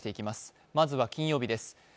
まずは金曜日です。